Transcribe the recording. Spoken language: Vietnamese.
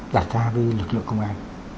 đạt ra với lực lượng công an